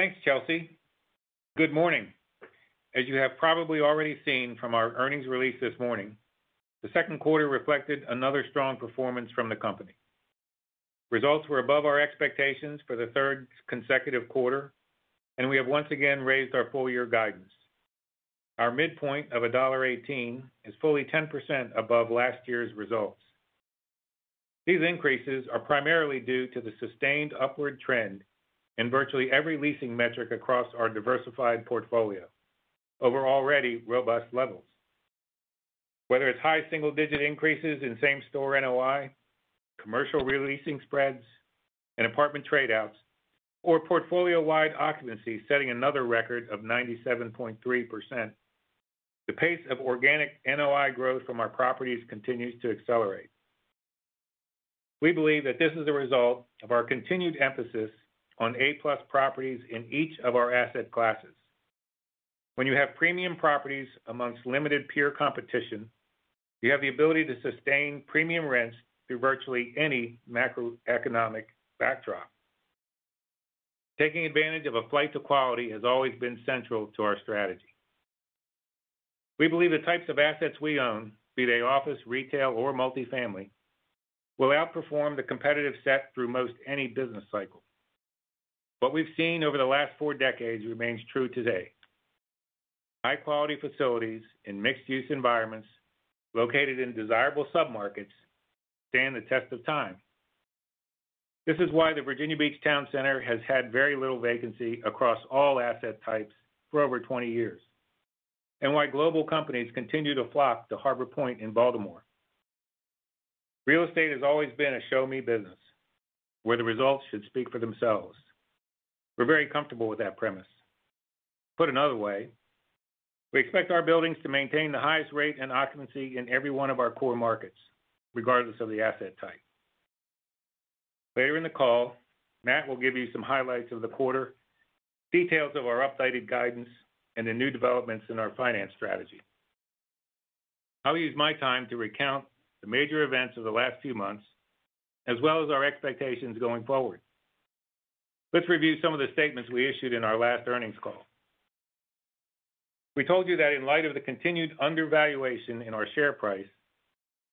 Thanks, Chelsea. Good morning. As you have probably already seen from our earnings release this morning, the second quarter reflected another strong performance from the company. Results were above our expectations for the third consecutive quarter, and we have once again raised our full year guidance. Our midpoint of $1.18 is fully 10% above last year's results. These increases are primarily due to the sustained upward trend in virtually every leasing metric across our diversified portfolio over already robust levels. Whether it's high single-digit increases in Same-Store NOI, commercial re-leasing spreads and apartment trade-outs, or portfolio-wide occupancy setting another record of 97.3%. The pace of organic NOI growth from our properties continues to accelerate. We believe that this is a result of our continued emphasis on A+ properties in each of our asset classes. When you have premium properties amongst limited peer competition, you have the ability to sustain premium rents through virtually any macroeconomic backdrop. Taking advantage of a flight to quality has always been central to our strategy. We believe the types of assets we own, be they office, retail, or Multifamily, will outperform the competitive set through most any business cycle. What we've seen over the last four decades remains true today. High-quality facilities in mixed-use environments located in desirable submarkets stand the test of time. This is why the Virginia Beach Town Center has had very little vacancy across all asset types for over 20 years, and why global companies continue to flock to Harbor Point in Baltimore. Real estate has always been a show-me business, where the results should speak for themselves. We're very comfortable with that premise. Put another way, we expect our buildings to maintain the highest rate and occupancy in every one of our core markets, regardless of the asset type. Later in the call, Matt will give you some highlights of the quarter, details of our updated guidance, and the new developments in our finance strategy. I'll use my time to recount the major events of the last few months, as well as our expectations going forward. Let's review some of the statements we issued in our last earnings call. We told you that in light of the continued undervaluation in our share price,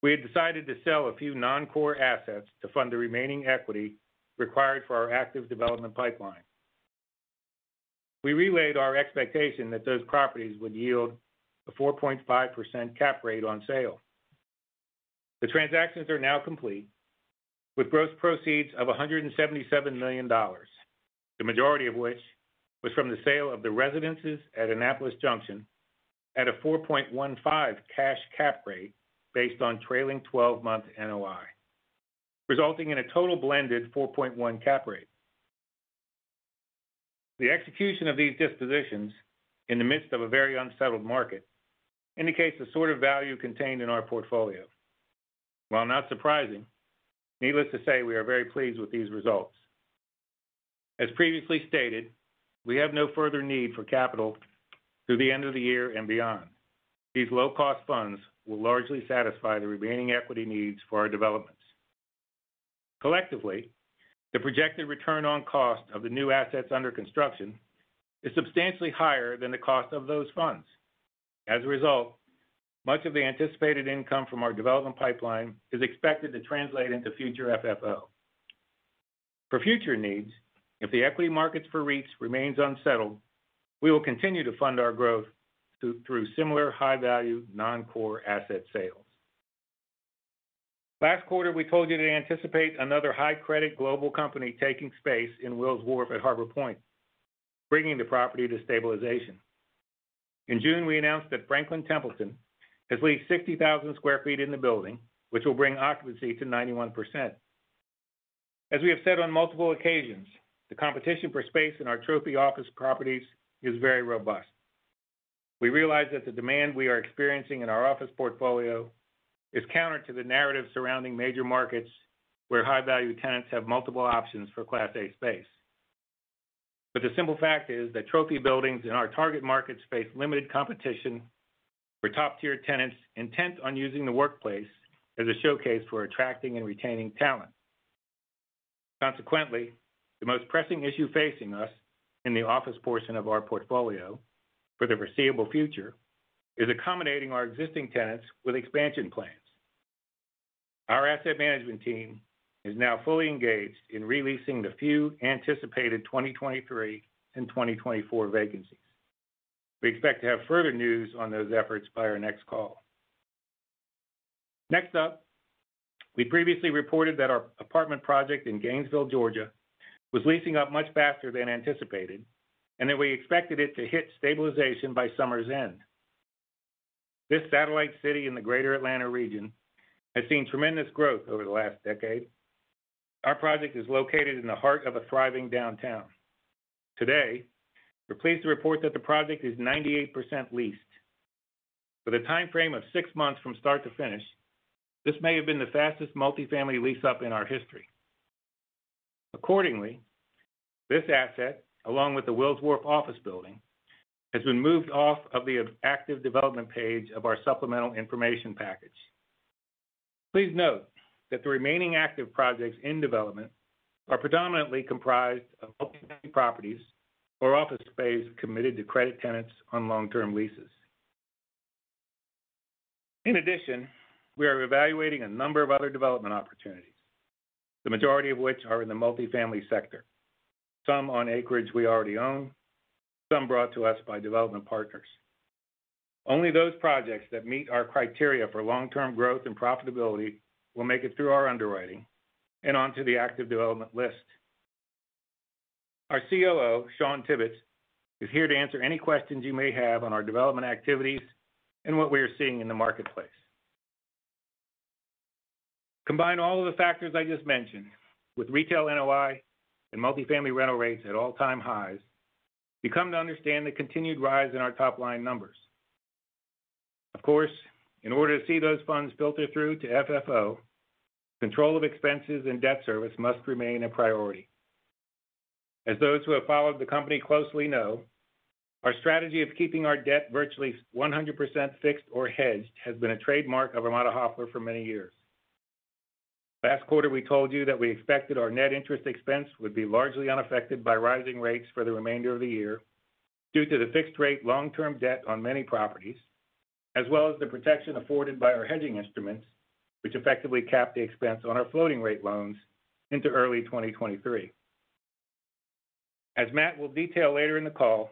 we had decided to sell a few non-core assets to fund the remaining equity required for our active development pipeline. We relayed our expectation that those properties would yield a 4.5% cap rate on sale. The transactions are now complete with gross proceeds of $177 million, the majority of which was from the sale of the Residences at Annapolis Junction at a 4.15 cash cap rate based on trailing 12-month NOI, resulting in a total blended 4.1 cap rate. The execution of these dispositions in the midst of a very unsettled market indicates the sort of value contained in our portfolio. While not surprising, needless to say, we are very pleased with these results. As previously stated, we have no further need for capital through the end of the year and beyond. These low-cost funds will largely satisfy the remaining equity needs for our developments. Collectively, the projected return on cost of the new assets under construction is substantially higher than the cost of those funds. As a result, much of the anticipated income from our development pipeline is expected to translate into future FFO. For future needs, if the equity markets for REITs remains unsettled, we will continue to fund our growth through similar high-value non-core asset sales. Last quarter, we told you to anticipate another high credit global company taking space in Wills Wharf at Harbor Point, bringing the property to stabilization. In June, we announced that Franklin Templeton has leased 60,000 sq ft in the building, which will bring occupancy to 91%. As we have said on multiple occasions, the competition for space in our trophy office properties is very robust. We realize that the demand we are experiencing in our office portfolio is counter to the narrative surrounding major markets where high-value tenants have multiple options for class A space. The simple fact is that trophy buildings in our target markets face limited competition for top-tier tenants intent on using the workplace as a showcase for attracting and retaining talent. Consequently, the most pressing issue facing us in the office portion of our portfolio for the foreseeable future is accommodating our existing tenants with expansion plans. Our asset management team is now fully engaged in re-leasing the few anticipated 2023 and 2024 vacancies. We expect to have further news on those efforts by our next call. Next up, we previously reported that our apartment project in Gainesville, Georgia was leasing up much faster than anticipated, and that we expected it to hit stabilization by summer's end. This satellite city in the Greater Atlanta region has seen tremendous growth over the last decade. Our project is located in the heart of a thriving downtown. Today, we're pleased to report that the project is 98% leased. With a timeframe of six months from start to finish, this may have been the fastest Multifamily lease-up in our history. Accordingly, this asset, along with the Wills Wharf office building, has been moved off of the active development page of our supplemental information package. Please note that the remaining active projects in development are predominantly comprised of Multifamily properties or office space committed to credit tenants on long-term leases. In addition, we are evaluating a number of other development opportunities, the majority of which are in the Multifamily sector, some on acreage we already own, some brought to us by development partners. Only those projects that meet our criteria for long-term growth and profitability will make it through our underwriting and onto the active development list. Our COO, Shawn Tibbetts, is here to answer any questions you may have on our development activities and what we are seeing in the marketplace. Combine all of the factors I just mentioned with retail NOI and Multifamily rental rates at all-time highs, you come to understand the continued rise in our top-line numbers. Of course, in order to see those funds filter through to FFO, control of expenses and debt service must remain a priority. As those who have followed the company closely know, our strategy of keeping our debt virtually 100% fixed or hedged has been a trademark of Armada Hoffler for many years. Last quarter, we told you that we expected our net interest expense would be largely unaffected by rising rates for the remainder of the year due to the fixed rate long-term debt on many properties, as well as the protection afforded by our hedging instruments, which effectively cap the expense on our floating rate loans into early 2023. As Matt will detail later in the call,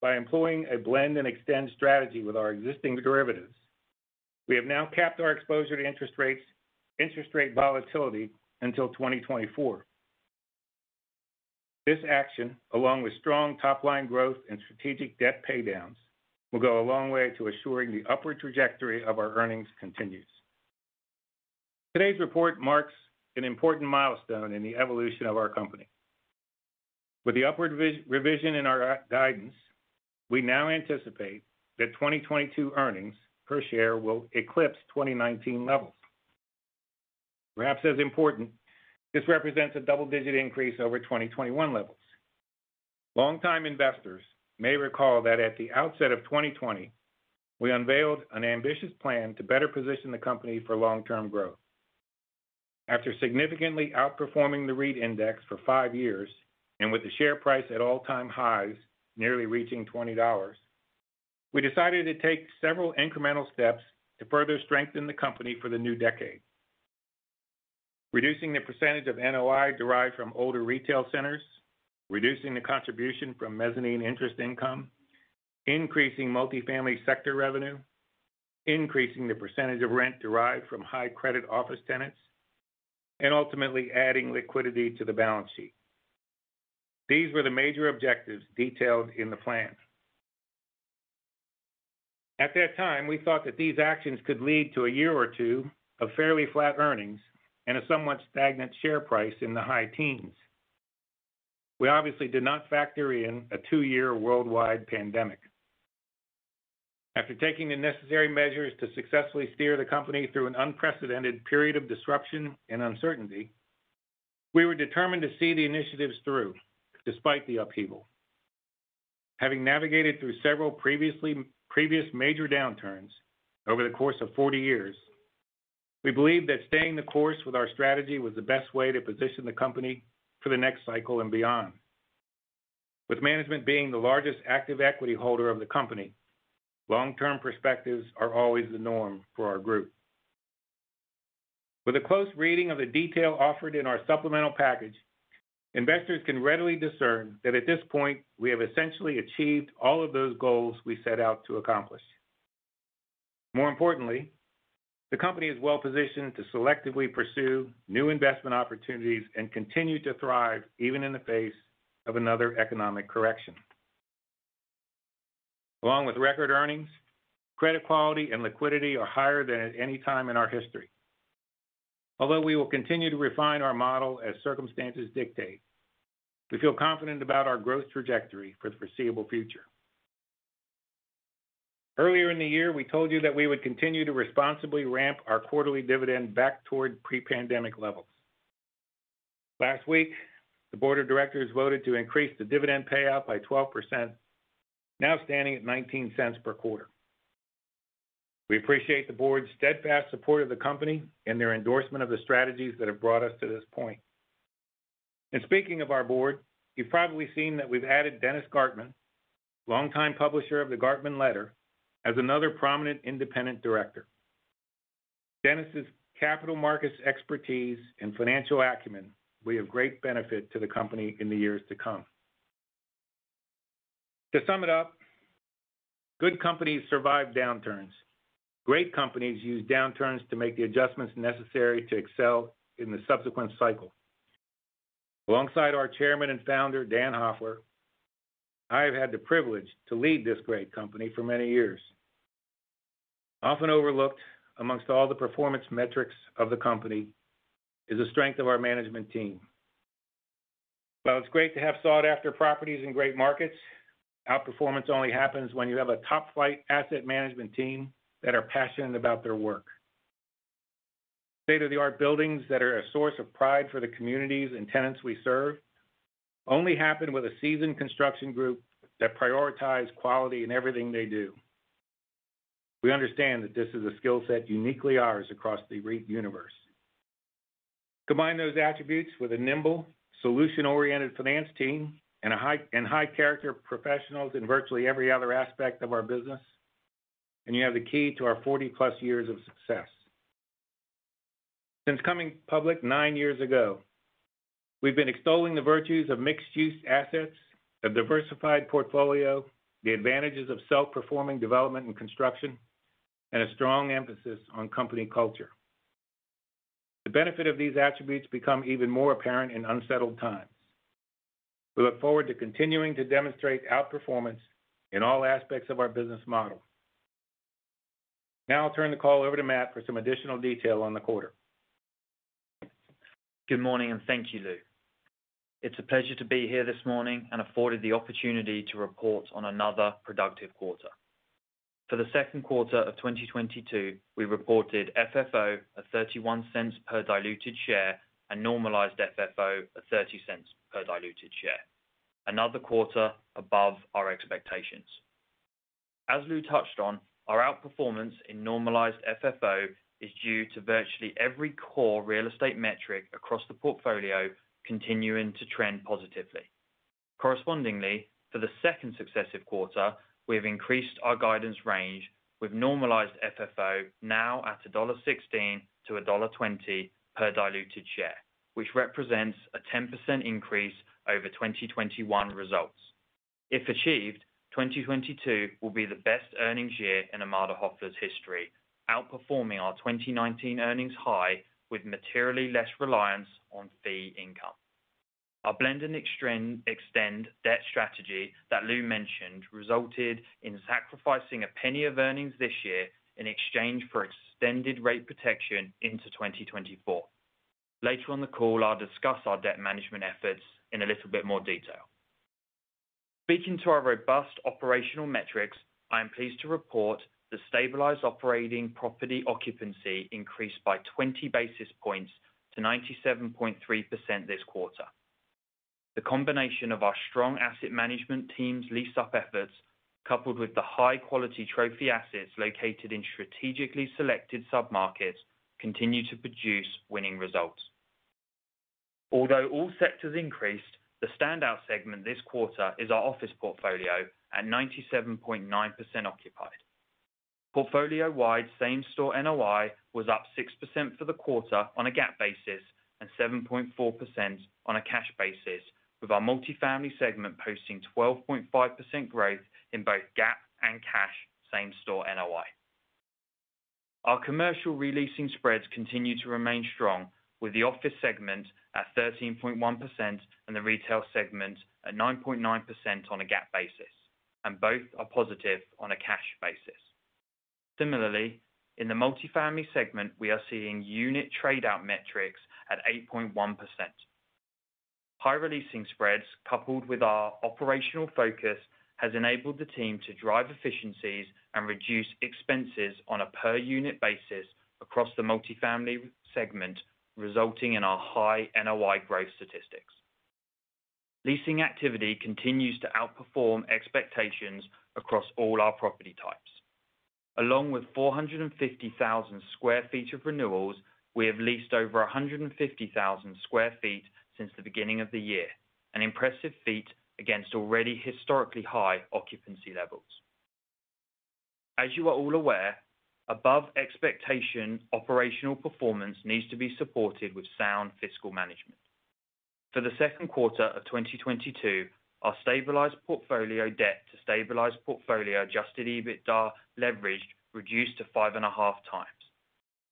by employing a blend-and-extend strategy with our existing derivatives, we have now capped our exposure to interest rates, interest rate volatility until 2024. This action, along with strong top-line growth and strategic debt paydowns, will go a long way to assuring the upward trajectory of our earnings continues. Today's report marks an important milestone in the evolution of our company. With the upward revision in our guidance, we now anticipate that 2022 earnings per share will eclipse 2019 levels. Perhaps as important, this represents a double-digit increase over 2021 levels. Longtime investors may recall that at the outset of 2020, we unveiled an ambitious plan to better position the company for long-term growth. After significantly outperforming the REIT index for five years, and with the share price at all-time highs nearly reaching $20, we decided to take several incremental steps to further strengthen the company for the new decade. Reducing the % of NOI derived from older retail centers, reducing the contribution from mezzanine interest income, increasing Multifamily sector revenue, increasing the % of rent derived from high credit office tenants, and ultimately adding liquidity to the balance sheet. These were the major objectives detailed in the plan. At that time, we thought that these actions could lead to a year or two of fairly flat earnings and a somewhat stagnant share price in the high teens. We obviously did not factor in a two-year worldwide pandemic. After taking the necessary measures to successfully steer the company through an unprecedented period of disruption and uncertainty, we were determined to see the initiatives through despite the upheaval. Having navigated through several previous major downturns over the course of 40 years, we believe that staying the course with our strategy was the best way to position the company for the next cycle and beyond. With management being the largest active equity holder of the company, long-term perspectives are always the norm for our group. With a close reading of the detail offered in our supplemental package, investors can readily discern that at this point, we have essentially achieved all of those goals we set out to accomplish. More importantly, the company is well-positioned to selectively pursue new investment opportunities and continue to thrive even in the face of another economic correction. Along with record earnings, credit quality and liquidity are higher than at any time in our history. Although we will continue to refine our model as circumstances dictate, we feel confident about our growth trajectory for the foreseeable future. Earlier in the year, we told you that we would continue to responsibly ramp our quarterly dividend back toward pre-pandemic levels. Last week, the board of directors voted to increase the dividend payout by 12%, now standing at $0.19 per quarter. We appreciate the board's steadfast support of the company and their endorsement of the strategies that have brought us to this point. Speaking of our board, you've probably seen that we've added Dennis Gartman, longtime publisher of The Gartman Letter, as another prominent independent Director. Dennis' capital markets expertise and financial acumen will be of great benefit to the company in the years to come. To sum it up, good companies survive downturns. Great companies use downturns to make the adjustments necessary to excel in the subsequent cycle. Alongside our Chairman and Founder, Dan Hoffler, I have had the privilege to lead this great company for many years. Often overlooked among all the performance metrics of the company is the strength of our management team. While it's great to have sought-after properties in great markets, outperformance only happens when you have a top-flight asset management team that are passionate about their work. State-of-the-art buildings that are a source of pride for the communities and tenants we serve only happen with a seasoned construction group that prioritize quality in everything they do. We understand that this is a skill set uniquely ours across the REIT universe. Combine those attributes with a nimble, solution-oriented finance team and high-caliber and high-character professionals in virtually every other aspect of our business, and you have the key to our 40+ years of success. Since coming public 9 years ago, we've been extolling the virtues of mixed-use assets, a diversified portfolio, the advantages of self-performing development and construction, and a strong emphasis on company culture. The benefit of these attributes become even more apparent in unsettled times. We look forward to continuing to demonstrate outperformance in all aspects of our business model. Now I'll turn the call over to Matt for some additional detail on the quarter. Good morning, and thank you, Lou. It's a pleasure to be here this morning and afforded the opportunity to report on another productive quarter. For the second quarter of 2022, we reported FFO of $0.31 per diluted share and normalized FFO of $0.30 per diluted share. Another quarter above our expectations. As Lou touched on, our outperformance in normalized FFO is due to virtually every core real estate metric across the portfolio continuing to trend positively. Correspondingly, for the second successive quarter, we have increased our guidance range with normalized FFO now at $1.16-$1.20 per diluted share, which represents a 10% increase over 2021 results. If achieved, 2022 will be the best earnings year in Armada Hoffler's history, outperforming our 2019 earnings high with materially less reliance on fee income. Our blend-and-extend debt strategy that Lou mentioned resulted in sacrificing a penny of earnings this year in exchange for extended rate protection into 2024. Later in the call, I'll discuss our debt management efforts in a little bit more detail. Speaking to our robust operational metrics, I am pleased to report the stabilized operating property occupancy increased by 20 basis points to 97.3% this quarter. The combination of our strong asset management team's lease-up efforts, coupled with the high-quality trophy assets located in strategically selected submarkets, continue to produce winning results. Although all sectors increased, the standout segment this quarter is our office portfolio at 97.9% occupied. Portfolio-wide same-store NOI was up 6% for the quarter on a GAAP basis and 7.4% on a cash basis, with our Multifamily segment posting 12.5% growth in both GAAP and cash same-store NOI. Our commercial re-leasing spreads continue to remain strong with the office segment at 13.1% and the retail segment at 9.9% on a GAAP basis, and both are positive on a cash basis. Similarly, in the Multifamily segment, we are seeing unit trade-out metrics at 8.1%. High re-leasing spreads, coupled with our operational focus, has enabled the team to drive efficiencies and reduce expenses on a per-unit basis across the Multifamily segment, resulting in our high NOI growth statistics. Leasing activity continues to outperform expectations across all our property types. Along with 450,000 sq ft of renewals, we have leased over 150,000 sq ft since the beginning of the year, an impressive feat against already historically high occupancy levels. As you are all aware, above expectation operational performance needs to be supported with sound fiscal management. For the second quarter of 2022, our stabilized portfolio debt to stabilized portfolio adjusted EBITDA leverage reduced to 5.5x.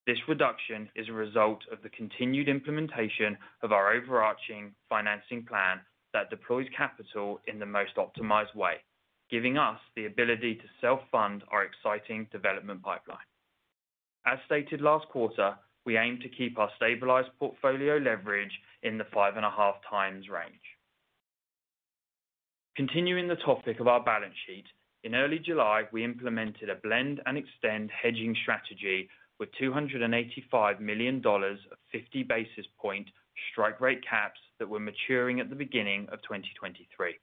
This reduction is a result of the continued implementation of our overarching financing plan that deploys capital in the most optimized way, giving us the ability to self-fund our exciting development pipeline. As stated last quarter, we aim to keep our stabilized portfolio leverage in the 5.5x range. Continuing the topic of our balance sheet, in early July, we implemented a blend-and-extend hedging strategy with $285 million of 50 basis point strike rate caps that were maturing at the beginning of 2023.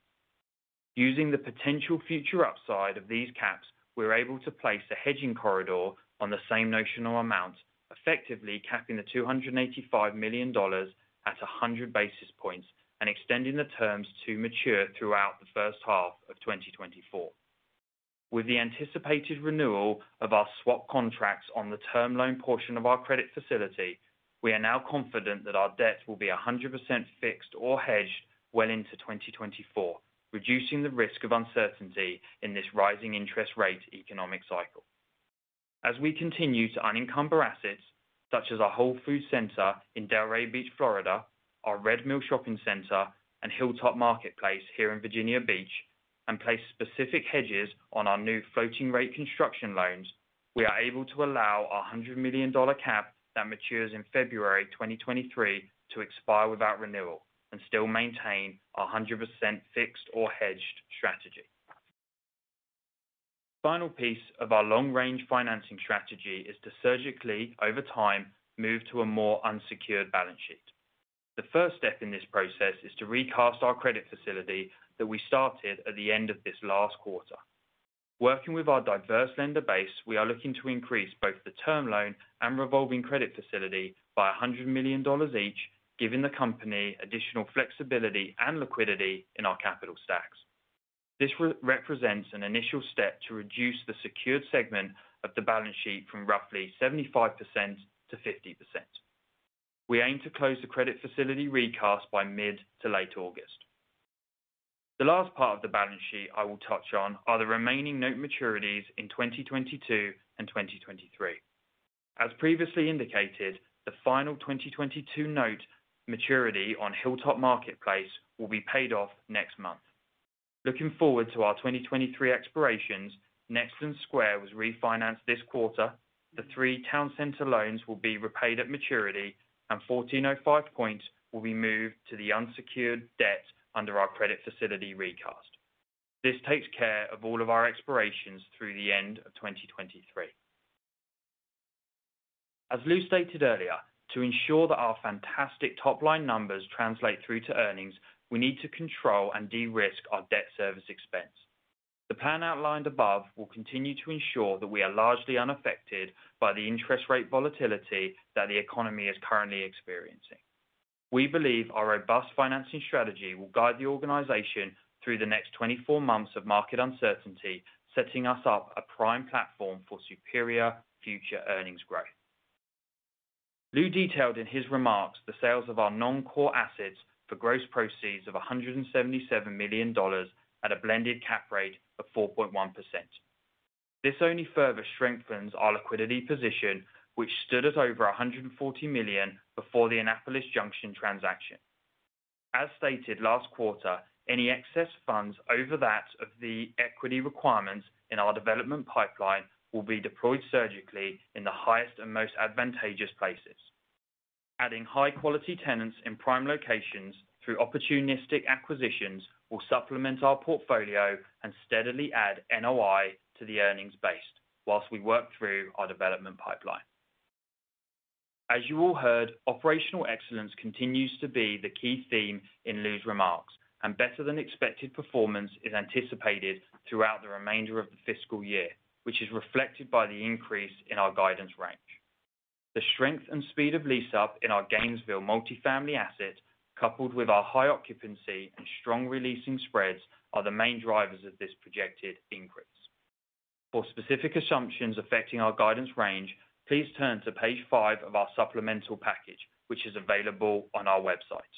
Using the potential future upside of these caps, we were able to place a hedging corridor on the same notional amount, effectively capping the $285 million at 100 basis points and extending the terms to mature throughout the first half of 2024. With the anticipated renewal of our swap contracts on the term loan portion of our credit facility, we are now confident that our debt will be 100% fixed or hedged well into 2024, reducing the risk of uncertainty in this rising interest rate economic cycle. As we continue to unencumber assets, such as our Whole Foods center in Delray Beach, Florida, our Red Mill Shopping Center, and Hilltop Marketplace here in Virginia Beach, and place specific hedges on our new floating rate construction loans, we are able to allow our $100 million cap that matures in February 2023 to expire without renewal and still maintain our 100% fixed or hedged strategy. Final piece of our long range financing strategy is to surgically, over time, move to a more unsecured balance sheet. The first step in this process is to recast our credit facility that we started at the end of this last quarter. Working with our diverse lender base, we are looking to increase both the term loan and revolving credit facility by $100 million each, giving the company additional flexibility and liquidity in our capital stacks. This represents an initial step to reduce the secured segment of the balance sheet from roughly 75%-50%. We aim to close the credit facility recast by mid to late August. The last part of the balance sheet I will touch on are the remaining note maturities in 2022 and 2023. As previously indicated, the final 2022 note maturity on Hilltop Marketplace will be paid off next month. Looking forward to our 2023 expirations, Nexton Square was refinanced this quarter. The three Town Center loans will be repaid at maturity, and 1405 Point will be moved to the unsecured debt under our credit facility recast. This takes care of all of our expirations through the end of 2023. As Lou stated earlier, to ensure that our fantastic top-line numbers translate through to earnings, we need to control and de-risk our debt service expense. The plan outlined above will continue to ensure that we are largely unaffected by the interest rate volatility that the economy is currently experiencing. We believe our robust financing strategy will guide the organization through the next 24 months of market uncertainty, setting us as a prime platform for superior future earnings growth. Lou detailed in his remarks the sales of our non-core assets for gross proceeds of $177 million at a blended cap rate of 4.1%. This only further strengthens our liquidity position, which stood at over $140 million before the Annapolis Junction transaction. As stated last quarter, any excess funds over that of the equity requirements in our development pipeline will be deployed surgically in the highest and most advantageous places. Adding high quality tenants in prime locations through opportunistic acquisitions will supplement our portfolio and steadily add NOI to the earnings base while we work through our development pipeline. As you all heard, operational excellence continues to be the key theme in Louis Haddad's remarks, and better than expected performance is anticipated throughout the remainder of the fiscal year, which is reflected by the increase in our guidance range. The strength and speed of lease-up in our Gainesville Multifamily asset, coupled with our high occupancy and strong re-leasing spreads are the main drivers of this projected increase. For specific assumptions affecting our guidance range, please turn to page five of our supplemental package, which is available on our website.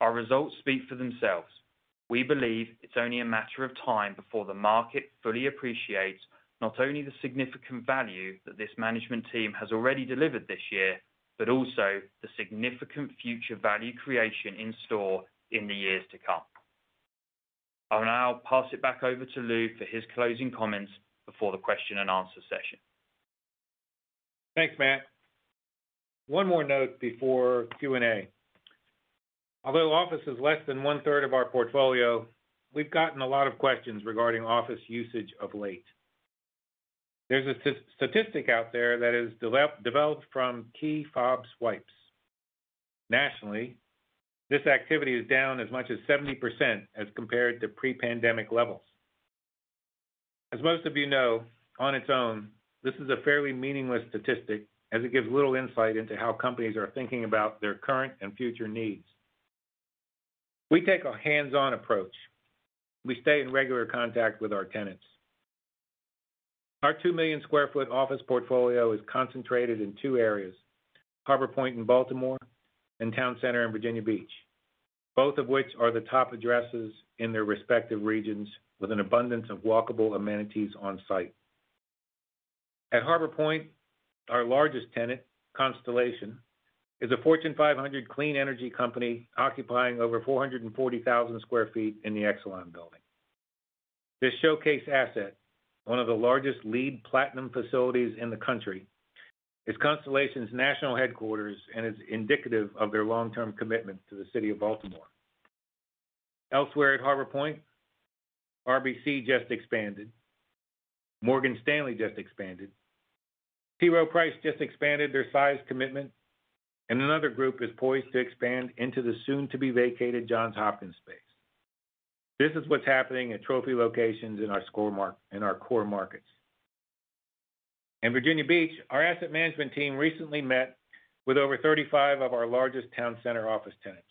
Our results speak for themselves. We believe it's only a matter of time before the market fully appreciates not only the significant value that this management team has already delivered this year, but also the significant future value creation in store in the years to come. I will now pass it back over to Lou for his closing comments before the question and answer session. Thanks, Matt. One more note before Q&A. Although office is less than 1/3 of our portfolio, we've gotten a lot of questions regarding office usage of late. There's a statistic out there that is developed from key fob swipes. Nationally, this activity is down as much as 70% as compared to pre-pandemic levels. As most of you know, on its own, this is a fairly meaningless statistic as it gives little insight into how companies are thinking about their current and future needs. We take a hands-on approach. We stay in regular contact with our tenants. Our 2 million sq ft office portfolio is concentrated in two areas, Harbor Point in Baltimore and Town Center in Virginia Beach, both of which are the top addresses in their respective regions with an abundance of walkable amenities on site. At Harbor Point, our largest tenant, Constellation, is a Fortune 500 clean energy company occupying over 440,000 sq ft in the Exelon Building. This showcase asset, one of the largest LEED Platinum facilities in the country, is Constellation's national headquarters and is indicative of their long-term commitment to the city of Baltimore. Elsewhere at Harbor Point, RBC just expanded. Morgan Stanley just expanded. T. Rowe Price just expanded their space commitment, and another group is poised to expand into the soon-to-be-vacated Johns Hopkins space. This is what's happening at trophy locations in our core markets. In Virginia Beach, our asset management team recently met with over 35 of our largest Town Center office tenants,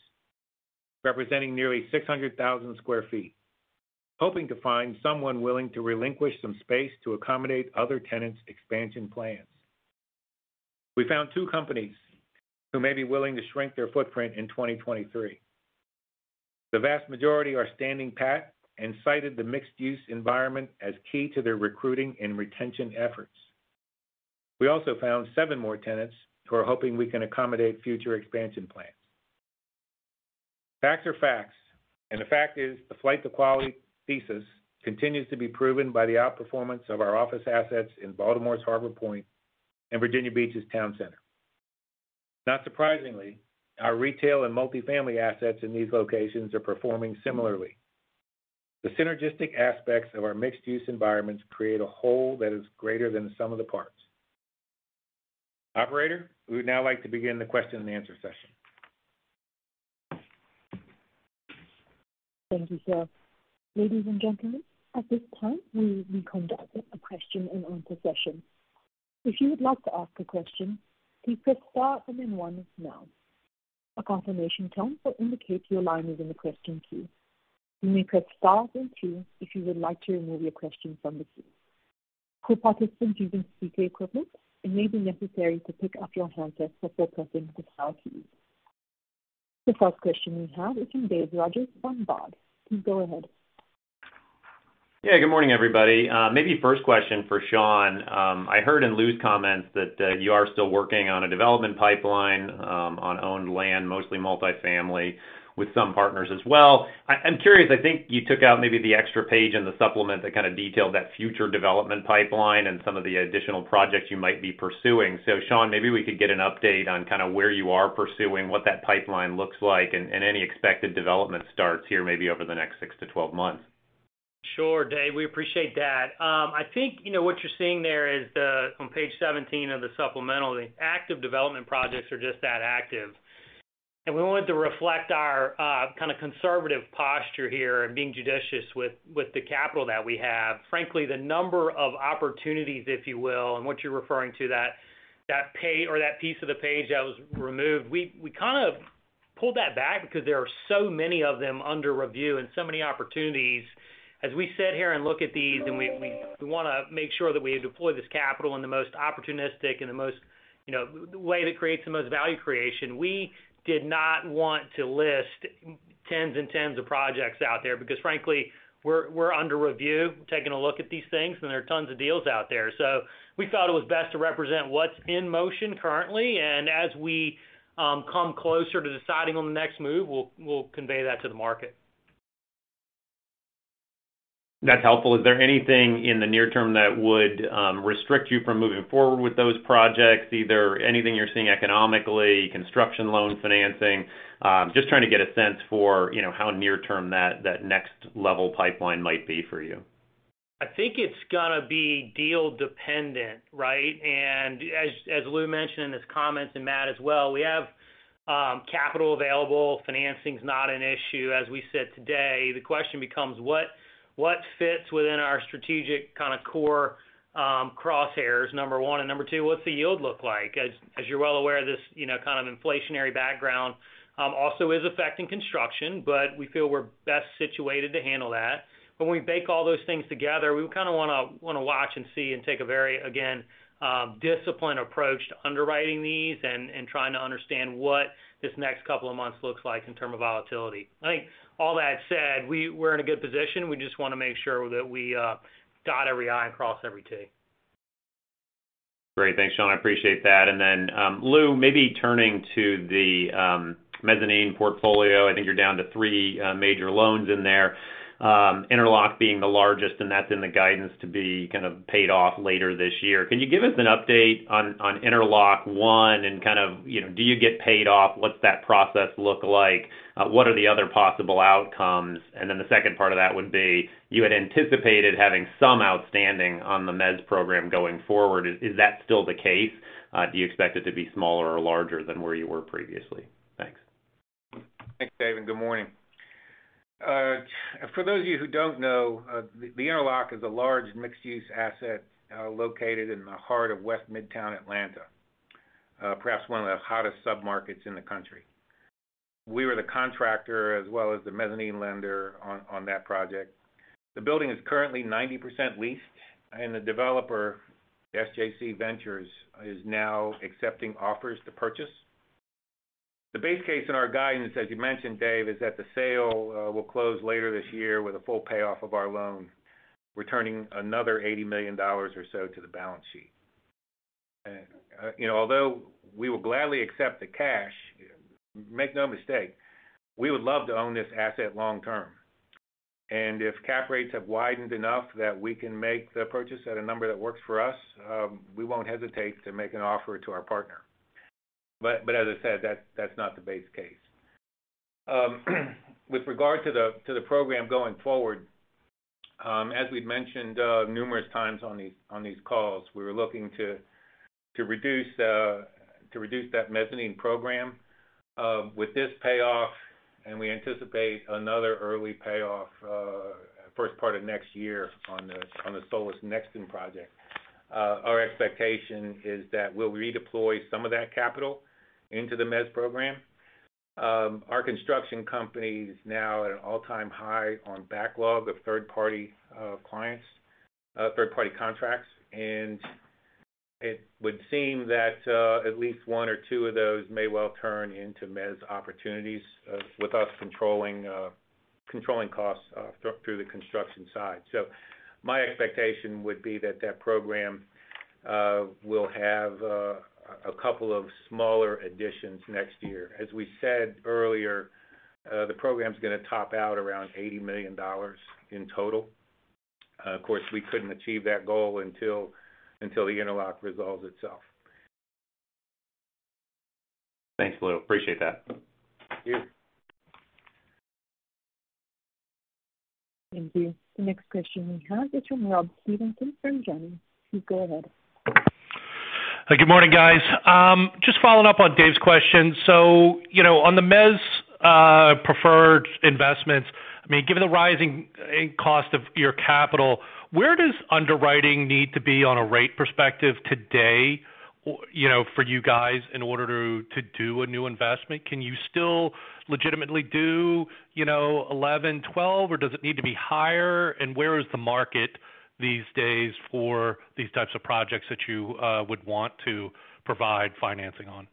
representing nearly 600,000 sq ft, hoping to find someone willing to relinquish some space to accommodate other tenants' expansion plans. We found two companies who may be willing to shrink their footprint in 2023. The vast majority are standing pat and cited the mixed-use environment as key to their recruiting and retention efforts. We also found seven more tenants who are hoping we can accommodate future expansion plans. Facts are facts, and the fact is the flight to quality thesis continues to be proven by the outperformance of our office assets in Baltimore's Harbor Point and Virginia Beach's Town Center. Not surprisingly, our retail and Multifamily assets in these locations are performing similarly. The synergistic aspects of our mixed-use environments create a whole that is greater than the sum of the parts. Operator, we would now like to begin the question and answer session. Thank you, sir. Ladies and gentlemen, at this time, we will conduct a question and answer session. If you would like to ask a question, please press star and then one now. A confirmation tone will indicate your line is in the question queue. You may press star then two if you would like to remove your question from the queue. For participants using DT equipment, it may be necessary to pick up your handset for full participants with how to leave. The first question we have is from David Rodgers from Baird. Please go ahead. Yeah. Good morning, everybody. Maybe first question for Shawn. I heard in Lou's comments that you are still working on a development pipeline on owned land, mostly Multifamily with some partners as well. I'm curious. I think you took out maybe the extra page in the supplement that kind of detailed that future development pipeline and some of the additional projects you might be pursuing. Shawn, maybe we could get an update on kind of where you are pursuing, what that pipeline looks like and any expected development starts here maybe over the next six to 12 months. Sure, Dave. We appreciate that. I think, you know, what you're seeing there is the on page 17 of the supplemental, the active development projects are just that active. We wanted to reflect our kind of conservative posture here and being judicious with the capital that we have. Frankly, the number of opportunities, if you will, and what you're referring to that or that piece of the page that was removed, we kind of pulled that back because there are so many of them under review and so many opportunities. As we sit here and look at these and we wanna make sure that we deploy this capital in the most opportunistic and the most, you know, way that creates the most value creation. We did not want to list tens and tens of projects out there because frankly, we're under review, taking a look at these things, and there are tons of deals out there. We thought it was best to represent what's in motion currently. As we come closer to deciding on the next move, we'll convey that to the market. That's helpful. Is there anything in the near term that would restrict you from moving forward with those projects? Either anything you're seeing economically, construction loan financing? Just trying to get a sense for, you know, how near-term that next level pipeline might be for you. I think it's gonna be deal dependent, right? As Lou mentioned in his comments, and Matt as well, we have capital available. Financing's not an issue, as we said today. The question becomes what fits within our strategic kind of core crosshairs, number one. Number two, what's the yield look like? As you're well aware, this you know kind of inflationary background also is affecting construction, but we feel we're best situated to handle that. When we bake all those things together, we kind of wanna watch and see and take a very again disciplined approach to underwriting these and trying to understand what this next couple of months looks like in terms of volatility. I think all that said, we're in a good position. We just wanna make sure that we dot every I and cross every T. Great. Thanks, Shawn. I appreciate that. Lou, maybe turning to the mezzanine portfolio. I think you're down to three major loans in there, Interlock being the largest, and that's in the guidance to be kind of paid off later this year. Can you give us an update on Interlock and kind of, you know, do you get paid off? What's that process look like? What are the other possible outcomes? The second part of that would be, you had anticipated having some outstanding on the mezz program going forward. Is that still the case? Do you expect it to be smaller or larger than where you were previously? Thanks. Thanks, Dave, and good morning. For those of you who don't know, the Interlock is a large mixed-use asset located in the heart of West Midtown Atlanta, perhaps one of the hottest submarkets in the country. We were the contractor as well as the mezzanine lender on that project. The building is currently 90% leased, and the developer, SJC Ventures, is now accepting offers to purchase. The base case in our guidance, as you mentioned, Dave, is that the sale will close later this year with a full payoff of our loan, returning another $80 million or so to the balance sheet. You know, although we will gladly accept the cash, make no mistake, we would love to own this asset long term. If cap rates have widened enough that we can make the purchase at a number that works for us, we won't hesitate to make an offer to our partner. As I said, that's not the base case. With regard to the program going forward, as we'd mentioned numerous times on these calls, we're looking to reduce that mezzanine program with this payoff, and we anticipate another early payoff first part of next year on the Solis Nexton project. Our expectation is that we'll redeploy some of that capital into the mezz program. Our construction company is now at an all-time high on backlog of third-party clients, third-party contracts, and it would seem that at least one or two of those may well turn into mezzanine opportunities with us controlling costs through the construction side. My expectation would be that that program will have a couple of smaller additions next year. As we said earlier, the program's gonna top out around $80 million in total. Of course, we couldn't achieve that goal until the interlock resolves itself. Thanks, Lou. Appreciate that. Thank you. Thank you. The next question we have is from Rob Stevenson from Janney. Please go ahead. Hi, good morning, guys. Just following up on David's question. You know, on the mezz preferred investments, I mean, given the rising cost of your capital, where does underwriting need to be on a rate perspective today, you know, for you guys in order to do a new investment? Can you still legitimately do, you know, 11%-12%, or does it need to be higher? Where is the market these days for these types of projects that you would want to provide financing on?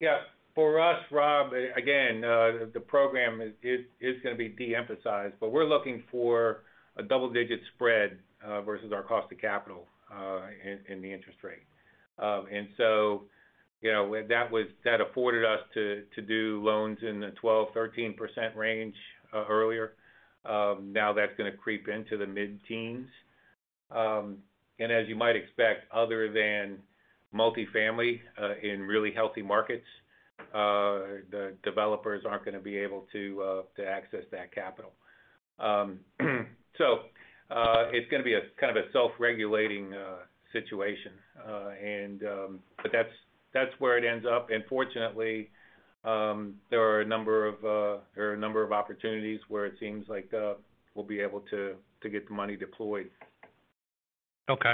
Yeah. For us, Rob, again, the program is gonna be de-emphasized. We're looking for a double-digit spread versus our cost of capital in the interest rate. You know, that afforded us to do loans in the 12%-13% range earlier. Now that's gonna creep into the mid-teens. As you might expect, other than Multifamily in really healthy markets, the developers aren't gonna be able to access that capital. It's gonna be a kind of a self-regulating situation. But that's where it ends up. Fortunately, there are a number of opportunities where it seems like we'll be able to get the money deployed. Okay.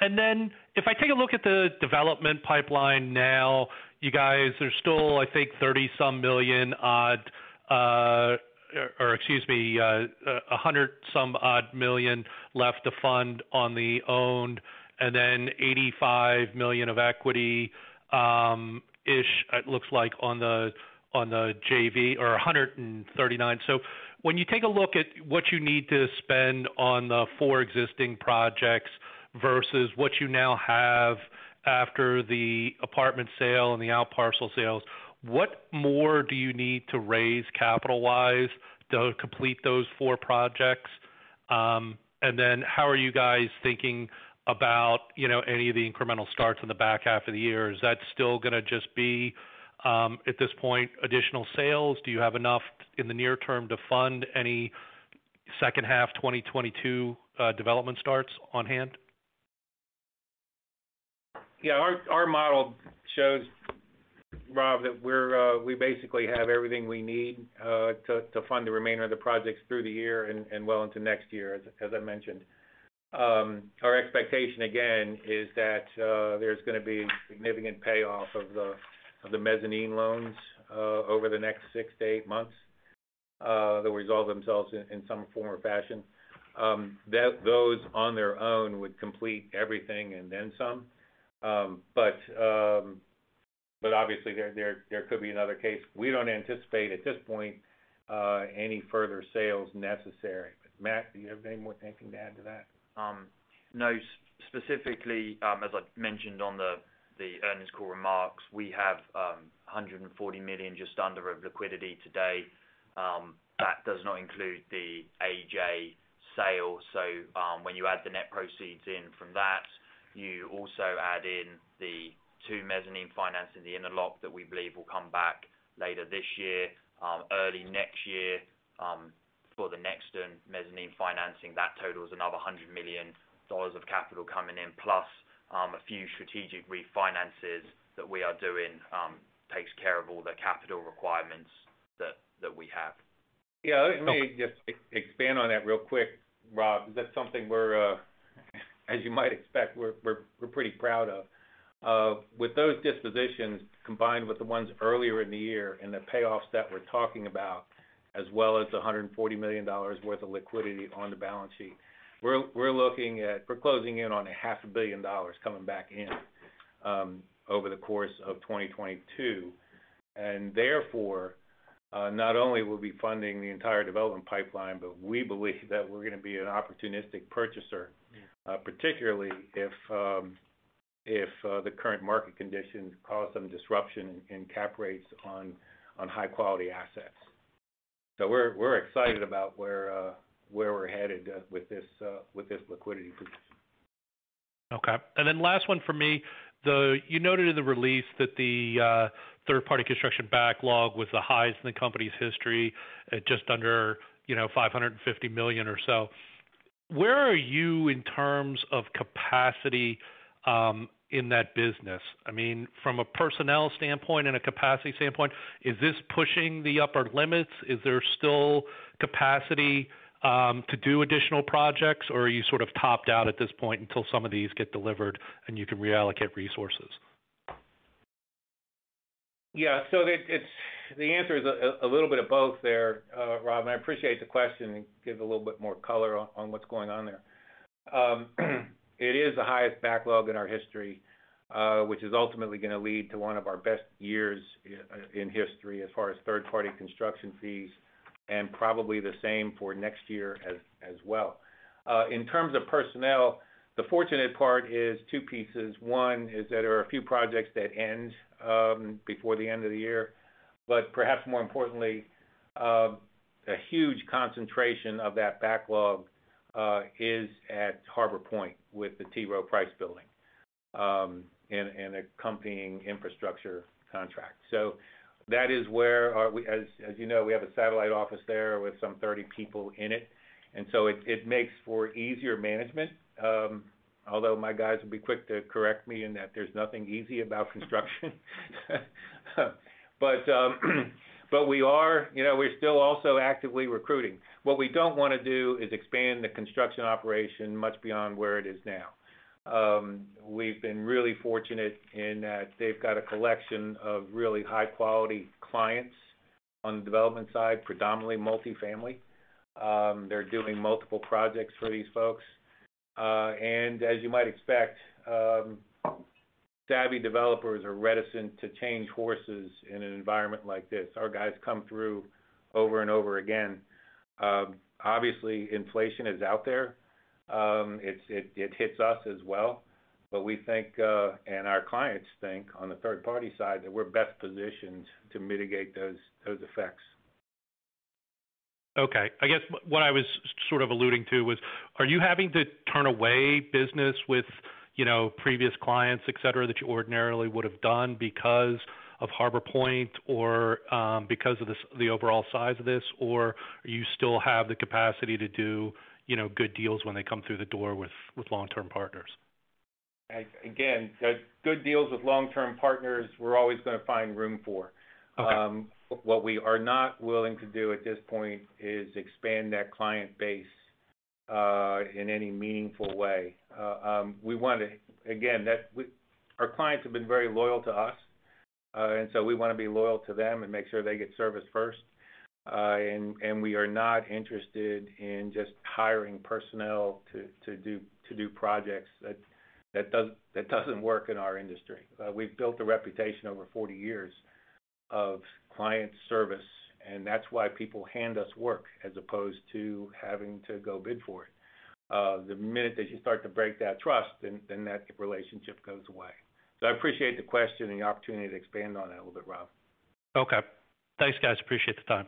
If I take a look at the development pipeline now, you guys, there's still, I think, 30-some million or excuse me, 100-some million left to fund on the owned and then $85 million of equity, ish, it looks like on the JV, or $139 million. When you take a look at what you need to spend on the four existing projects versus what you now have after the apartment sale and the out parcel sales, what more do you need to raise capital-wise to complete those four projects? How are you guys thinking about, you know, any of the incremental starts in the back half of the year? Is that still gonna just be, at this point, additional sales? Do you have enough in the near term to fund any second half 2022 development starts on hand? Yeah. Our model shows, Rob, that we basically have everything we need to fund the remainder of the projects through the year and well into next year, as I mentioned. Our expectation, again, is that there's gonna be significant payoff of the mezzanine loans over the next six to eight months that resolve themselves in some form or fashion. Those on their own would complete everything and then some. Obviously, there could be another case. We don't anticipate at this point any further sales necessary. Matt, do you have any more thinking to add to that? No. Specifically, as I mentioned on the earnings call remarks, we have just under $140 million of liquidity today. That does not include the AJ sale. When you add the net proceeds in from that, you also add in the two mezzanine financing, the interlock that we believe will come back later this year, early next year, for the next mezzanine financing. That totals another $100 million of capital coming in, plus a few strategic refinances that we are doing takes care of all the capital requirements that we have. Yeah. Let me just expand on that real quick, Rob, because that's something we're, as you might expect, we're pretty proud of. With those dispositions, combined with the ones earlier in the year and the payoffs that we're talking about, as well as the $140 million worth of liquidity on the balance sheet, we're looking at. We're closing in on half a billion dollars coming back in over the course of 2022. Therefore, not only we'll be funding the entire development pipeline, but we believe that we're gonna be an opportunistic purchaser, particularly if the current market conditions cause some disruption in cap rates on high-quality assets. We're excited about where we're headed with this liquidity position. Okay. Last one for me. You noted in the release that the third-party construction backlog was the highest in the company's history at just under, you know, $550 million or so. Where are you in terms of capacity in that business? I mean, from a personnel standpoint and a capacity standpoint, is this pushing the upper limits? Is there still capacity to do additional projects, or are you sort of topped out at this point until some of these get delivered and you can reallocate resources? It's the answer is a little bit of both there, Rob, and I appreciate the question, and give a little bit more color on what's going on there. It is the highest backlog in our history, which is ultimately gonna lead to one of our best years in history as far as third-party construction fees, and probably the same for next year as well. In terms of personnel, the fortunate part is two pieces. One is that there are a few projects that end before the end of the year. Perhaps more importantly, a huge concentration of that backlog is at Harbor Point with the T. Rowe Price building, and accompanying infrastructure contract. That is where, as you know, we have a satellite office there with some 30 people in it. It makes for easier management. Although my guys will be quick to correct me in that there's nothing easy about construction. We're, you know, still also actively recruiting. What we don't wanna do is expand the construction operation much beyond where it is now. We've been really fortunate in that they've got a collection of really high-quality clients on the development side, predominantly Multifamily. They're doing multiple projects for these folks. As you might expect, savvy developers are reticent to change horses in an environment like this. Our guys come through over and over again. Obviously, inflation is out there. It hits us as well. We think, and our clients think on the third party side that we're best positioned to mitigate those effects. Okay. I guess what I was sort of alluding to was, are you having to turn away business with, you know, previous clients, et cetera, that you ordinarily would have done because of Harbor Point or, because of the overall size of this, or you still have the capacity to do, you know, good deals when they come through the door with long-term partners? Again, good deals with long-term partners, we're always gonna find room for. Okay. What we are not willing to do at this point is expand that client base in any meaningful way. Our clients have been very loyal to us, and we want to be loyal to them and make sure they get serviced first. We are not interested in just hiring personnel to do projects. That doesn't work in our industry. We've built a reputation over 40 years of client service, and that's why people hand us work as opposed to having to go bid for it. The minute that you start to break that trust, then that relationship goes away. I appreciate the question and the opportunity to expand on that a little bit, Rob. Okay. Thanks, guys. Appreciate the time.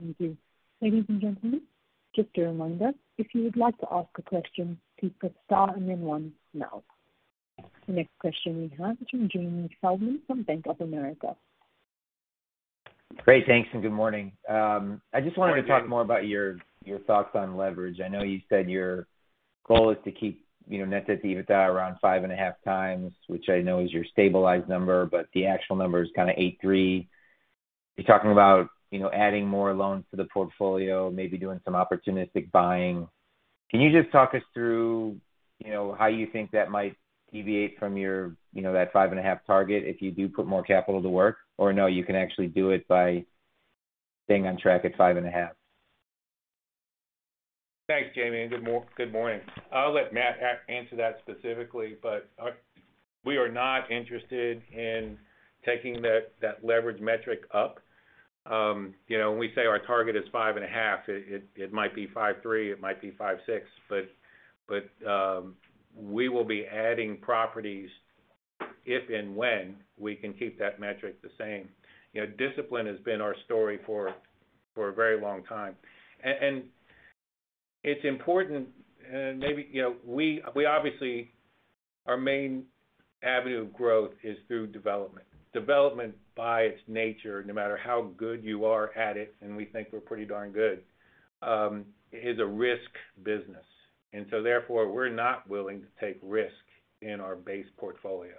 Thank you. Ladies and gentlemen, just a reminder, if you would like to ask a question, please press star and then one now. The next question we have is from James Feldman from Bank of America. Great. Thanks, and good morning. I just wanted. Good morning. To talk more about your thoughts on leverage. I know you said your goal is to keep, you know, net debt to EBITDA around 5.5x, which I know is your stabilized number, but the actual number is kinda 8.3x. You're talking about, you know, adding more loans to the portfolio, maybe doing some opportunistic buying. Can you just talk us through, you know, how you think that might deviate from your, you know, that 5.5x target if you do put more capital to work? Or, no, you can actually do it by staying on track at 5.5x. Thanks, Jamie, good morning. I'll let Matt answer that specifically, but we are not interested in taking that leverage metric up. You know, when we say our target is 5.5x, it might be 5.3x, it might be 5.6x. We will be adding properties if and when we can keep that metric the same. You know, discipline has been our story for a very long time. It's important, maybe, you know, we obviously, our main avenue of growth is through development. Development by its nature, no matter how good you are at it, and we think we're pretty darn good, is a risk business. We're not willing to take risk in our base portfolio.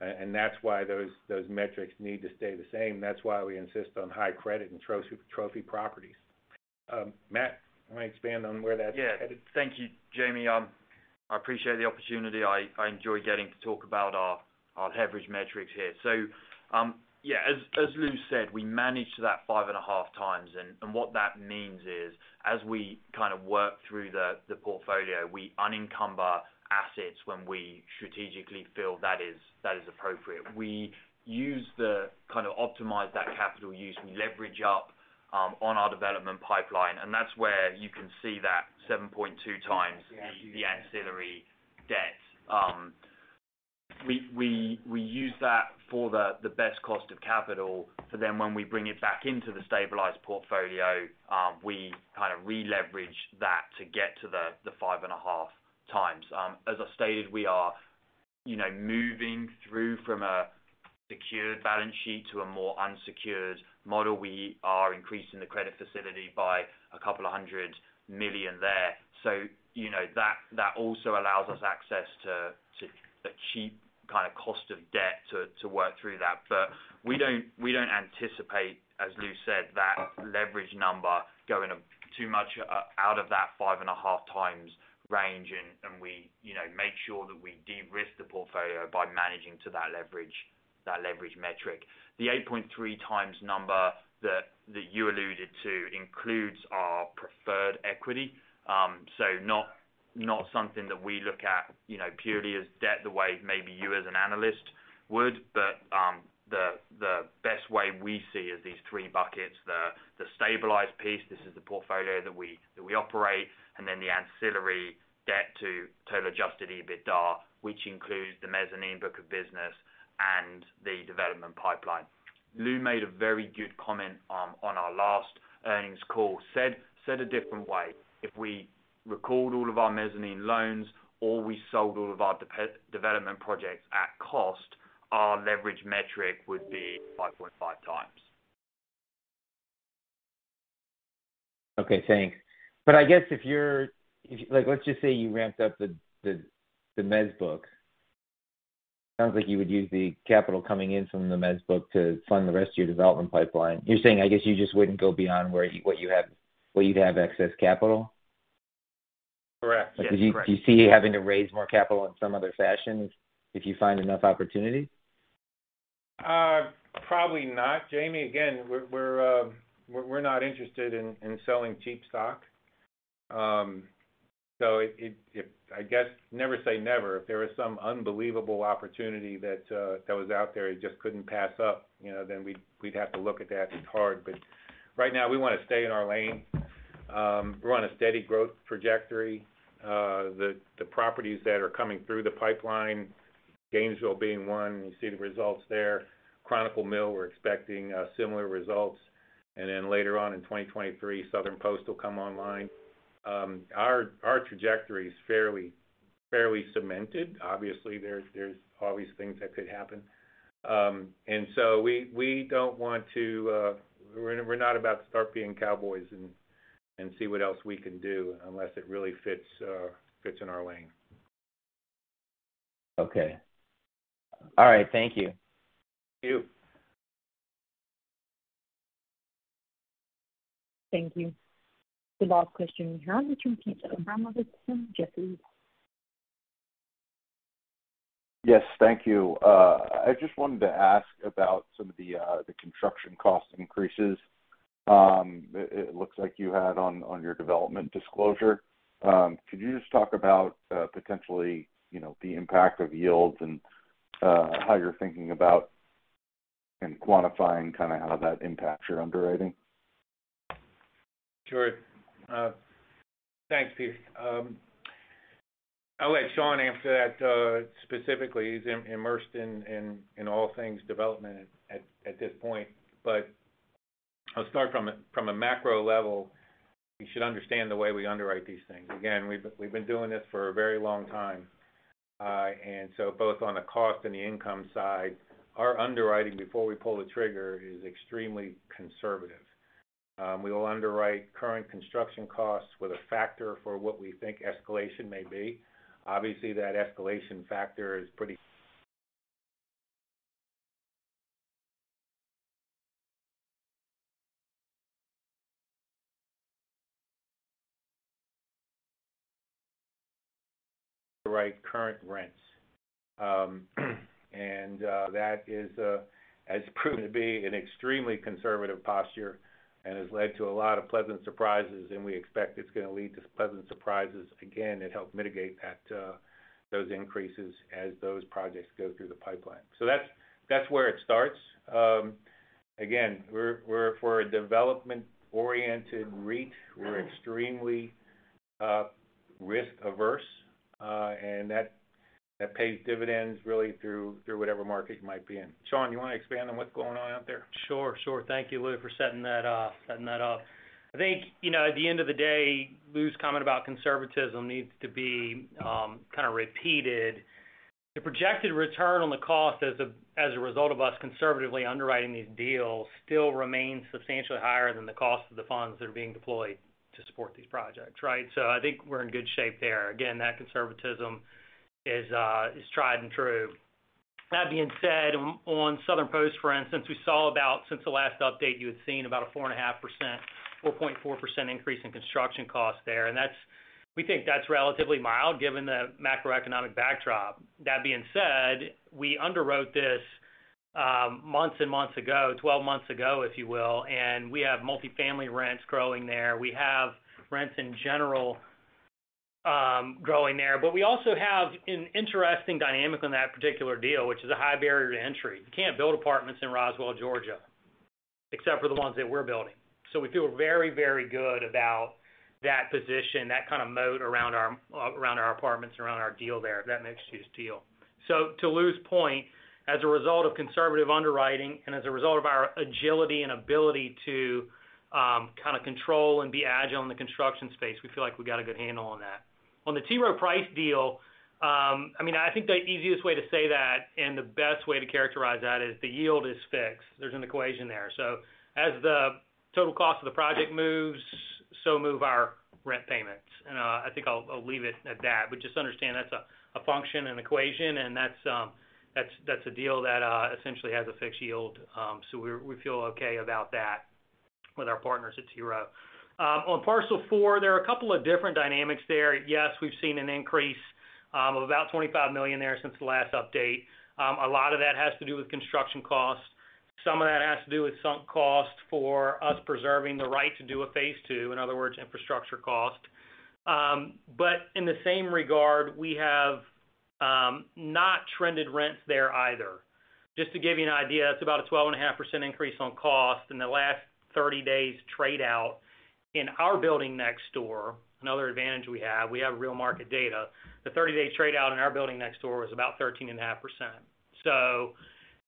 That's why those metrics need to stay the same. That's why we insist on high credit and trophy properties. Matt, you wanna expand on where that's headed? Yeah. Thank you, Jamie. I appreciate the opportunity. I enjoy getting to talk about our leverage metrics here. As Lou said, we manage that 5.5x. What that means is, as we kind of work through the portfolio, we unencumber assets when we strategically feel that is appropriate. We kind of optimize that capital use, we leverage up on our development pipeline, and that's where you can see that 7.2x the ancillary debt. We use that for the best cost of capital. When we bring it back into the stabilized portfolio, we kind of releverage that to get to the 5.5x. As I stated, we are, you know, moving through from a secured balance sheet to a more unsecured model. We are increasing the credit facility by $200 million there. You know, that also allows us access to a cheap kind of cost of debt to work through that. We don't anticipate, as Lou said, that leverage number going too much out of that 5.5x range. We, you know, make sure that we de-risk the portfolio by managing to that leverage, that leverage metric. The 8.3x number that you alluded to includes our preferred equity. Not something that we look at, you know, purely as debt the way maybe you as an analyst would. The best way we see is these three buckets. The stabilized piece, this is the portfolio that we operate, and then the ancillary debt to total adjusted EBITDA, which includes the mezzanine book of business and the development pipeline. Lou made a very good comment on our last earnings call. Said a different way. If we record all of our mezzanine loans, or we sold all of our development projects at cost, our leverage metric would be 5.5x. Okay, thanks. I guess if, like, let's just say you ramped up the mezz book. Sounds like you would use the capital coming in from the mezz book to fund the rest of your development pipeline. You're saying, I guess, you just wouldn't go beyond where you have, where you'd have excess capital? Correct. Yes, correct. Do you see having to raise more capital in some other fashion if you find enough opportunity? Probably not, Jamie. Again, we're not interested in selling cheap stock. I guess never say never. If there was some unbelievable opportunity that was out there you just couldn't pass up, you know, then we'd have to look at that hard. Right now, we wanna stay in our lane. We're on a steady growth trajectory. The properties that are coming through the pipeline, Gainesville being one, you see the results there. Chronicle Mill, we're expecting similar results. Then later on in 2023, Southern Post will come online. Our trajectory is fairly cemented. Obviously, there's always things that could happen. We don't want to, we're not about to start being cowboys and see what else we can do unless it really fits in our lane. Okay. All right, thank you. Thank you. Thank you. The last question we have is from Peter Abramowitz from Jefferies. Yes, thank you. I just wanted to ask about some of the construction cost increases. It looks like you had on your development disclosure. Could you just talk about potentially, you know, the impact of yields and how you're thinking about and quantifying kind of how that impacts your underwriting? Sure. Thanks, Peter. I'll let Shawn answer that, specifically. He's immersed in all things development at this point. I'll start from a macro level. You should understand the way we underwrite these things. Again, we've been doing this for a very long time. Both on the cost and the income side, our underwriting before we pull the trigger is extremely conservative. We will underwrite current construction costs with a factor for what we think escalation may be. Obviously, underwrite current rents. That has proven to be an extremely conservative posture and has led to a lot of pleasant surprises, and we expect it's gonna lead to pleasant surprises again and help mitigate those increases as those projects go through the pipeline. That's where it starts. Again, we're for a development-oriented REIT. We're extremely risk averse, and that pays dividends really through whatever market you might be in. Shawn, you wanna expand on what's going on out there? Sure, sure. Thank you, Lou, for setting that up. I think, you know, at the end of the day, Lou's comment about conservatism needs to be kind of repeated. The projected return on cost as a result of us conservatively underwriting these deals still remains substantially higher than the cost of the funds that are being deployed to support these projects, right? I think we're in good shape there. Again, that conservatism is tried and true. That being said, on Southern Post, for instance, since the last update, you had seen about a 4.5%, 4.4% increase in construction costs there. We think that's relatively mild given the macroeconomic backdrop. That being said, we underwrote this, months and months ago, 12 months ago, if you will, and we have Multifamily rents growing there. We have rents in general, growing there. We also have an interesting dynamic on that particular deal, which is a high barrier to entry. You can't build apartments in Roswell, Georgia, except for the ones that we're building. We feel very, very good about that position, that kind of moat around our apartments, around our deal there, that mixed-use deal. To Lou's point, as a result of conservative underwriting and as a result of our agility and ability to, kind of control and be agile in the construction space, we feel like we got a good handle on that. On the T. Rowe Price deal, I mean, I think the easiest way to say that and the best way to characterize that is the yield is fixed. There's an equation there. As the total cost of the project moves, so move our rent payments. I think I'll leave it at that. But just understand that's a function and equation, and that's a deal that essentially has a fixed yield. We feel okay about that with our partners at T. Rowe. On Parcel Four, there are a couple of different dynamics there. Yes, we've seen an increase of about $25 million there since the last update. A lot of that has to do with construction costs. Some of that has to do with sunk costs for us preserving the right to do a phase two, in other words, infrastructure cost. In the same regard, we have not trended rents there either. Just to give you an idea, it's about a 12.5% increase on cost in the last 30 days trade-out. In our building next door, another advantage we have, we have real market data. The 30-day trade-out in our building next door was about 13.5%. So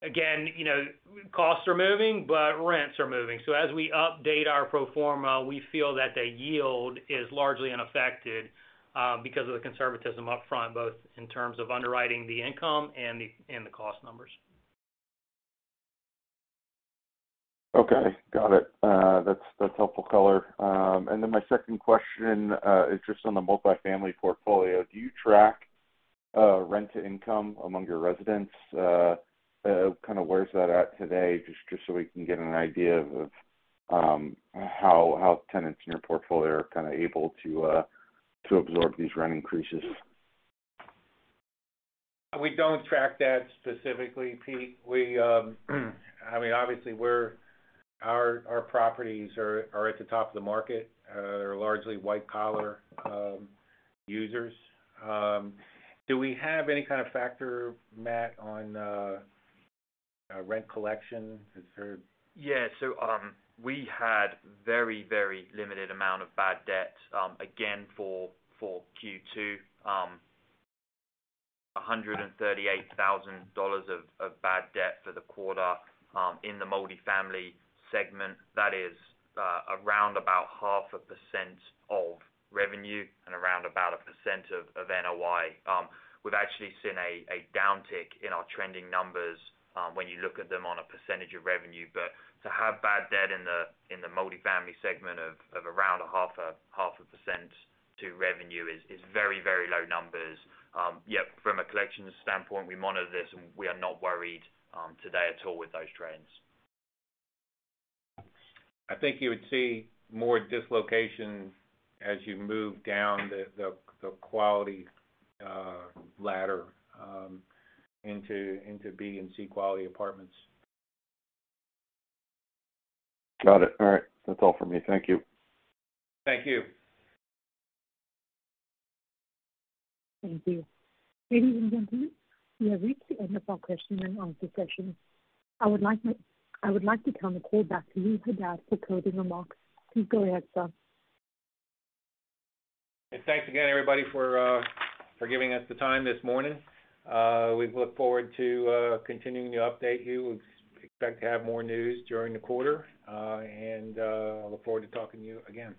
again, you know, costs are moving, but rents are moving. So as we update our pro forma, we feel that the yield is largely unaffected because of the conservatism upfront, both in terms of underwriting the income and the cost numbers. Okay, got it. That's helpful color. My second question is just on the Multifamily portfolio. Do you track rent-to-income among your residents? Kind of where is that at today? Just so we can get an idea of how tenants in your portfolio are kind of able to absorb these rent increases. We don't track that specifically, Pete. I mean, obviously, our properties are at the top of the market, they're largely white collar users. Do we have any kind of data, Matt, on rent collection? Is there? Yeah. We had very, very limited amount of bad debt, again, for Q2. $138,000 of bad debt for the quarter, in the Multifamily segment. That is around about 0.5% of revenue and around about 1% of NOI. We've actually seen a downtick in our trending numbers, when you look at them on a % of revenue. To have bad debt in the Multifamily segment of around 0.5% to revenue is very, very low numbers. Yeah, from a collections standpoint, we monitor this and we are not worried today at all with those trends. I think you would see more dislocation as you move down the quality ladder into B and C quality apartments. Got it. All right. That's all for me. Thank you. Thank you. Thank you. Ladies and gentlemen, we have reached the end of our question-and-answer session. I would like to turn the call back to you, Haddad, for closing remarks. Please go ahead, sir. Thanks again, everybody, for giving us the time this morning. We look forward to continuing to update you. We expect to have more news during the quarter, and look forward to talking to you again. Take care.